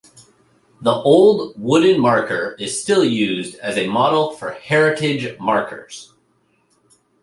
The old wooden marker is still used as a model for heritage markers.